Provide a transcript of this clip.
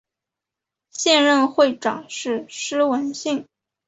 现任会长是施文信。